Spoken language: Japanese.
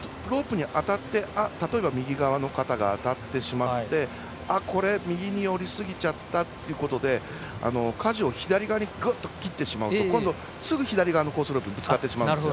ロープに例えば右側の肩が当たってしまってこれ、右に寄りすぎちゃったということでかじを左側にぐっと切ってしまうと今度すぐ左側のコースロープにぶつかってしまうんです。